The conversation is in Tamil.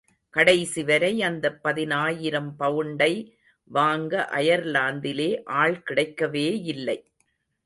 கடைசிவரை அந்தப் பதினாயிரம் பவுண்டை வாங்க அயர்லாந்திலே ஆள்கிடைக்கவேயில்லை.